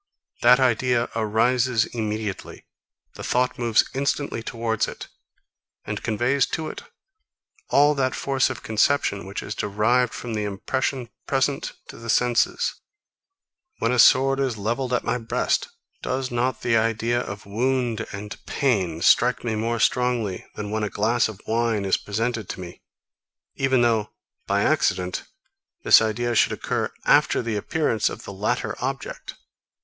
That idea arises immediately. The thought moves instantly towards it, and conveys to it all that force of conception, which is derived from the impression present to the senses. When a sword is levelled at my breast, does not the idea of wound and pain strike me more strongly, than when a glass of wine is presented to me, even though by accident this idea should occur after the appearance of the latter object?